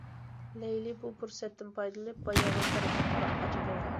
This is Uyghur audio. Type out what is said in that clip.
لەيلى بۇ پۇرسەتتىن پايدىلىنىپ باياۋان تەرەپكە قاراپ قاچىدۇ.